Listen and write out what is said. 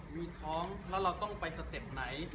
มีท้องแล้วเราต้องไปสเต็ปไหน